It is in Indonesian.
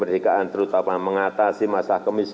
penyelenggaraan yang berbeda penyelenggaraan yang berbeda